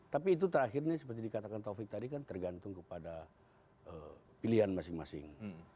tapi itu terakhirnya seperti dikatakan taufik tadi kan tergantung kepada pilihan masing masing